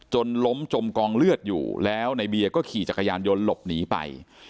จนล้มจมกองเลือดอยู่แล้วในเบียร์ก็ขี่จักรยานยนต์หลบหนีไป